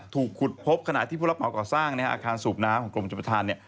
ถูกขุดพบขณะที่ผู้รับเหมาก่อสร้างอาคารสูบน้ำของกรมชมประธาน